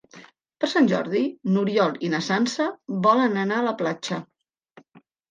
Per Sant Jordi n'Oriol i na Sança volen anar a la platja.